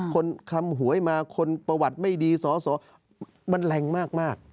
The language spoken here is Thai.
คำหวยมาคนประวัติไม่ดีสอสอมันแรงมาก